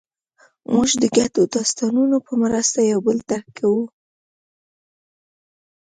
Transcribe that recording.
موږ د ګډو داستانونو په مرسته یو بل درک کوو.